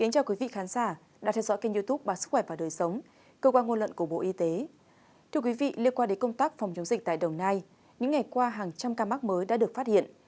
các bạn hãy đăng ký kênh để ủng hộ kênh của chúng mình nhé